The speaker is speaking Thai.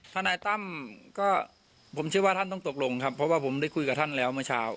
ทนายตั้มก็ผมเชื่อว่าท่านต้องตกลงครับเพราะว่าผมได้คุยกับท่านแล้วเมื่อเช้า